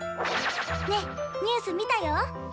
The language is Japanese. ⁉ねニュース見たよ！え？